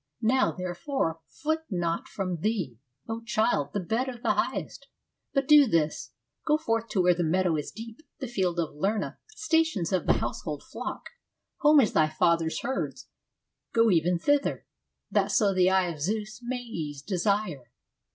Now therefore foot not from thee, O child, the bed of the Highest ; but do this, Go forth to where the meadow is deep, the field Of Lerna — stations of the household flock, Home of thy father's herds — go even thither, That so the eye of Zeus may ease desire.'